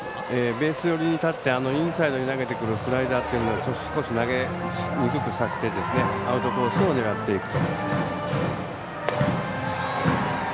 ベース寄りに立ってインサイドに投げてくるスライダーというのを少し低くさせてアウトコースを狙っていくと。